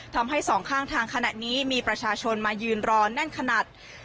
ทำให้สองข้างทางขนาดนี้มีมีประชาชนมายืนรอนั่นขนาด